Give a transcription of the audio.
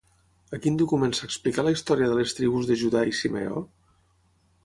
A quin document s'explica la història de les tribus de Judà i Simeó?